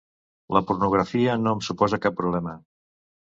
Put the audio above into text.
La pornografia no em suposa cap problema.